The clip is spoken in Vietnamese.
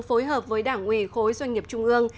phối hợp với đảng ủy khối doanh nghiệp trung ương